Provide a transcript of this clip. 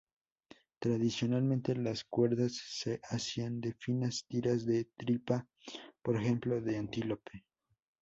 Tradicionalmente, las cuerdas se hacían de finas tiras de tripa, por ejemplo de antílope.